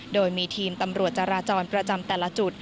โดยมีทีมตำรวจจราจรประจำแต่ละจุด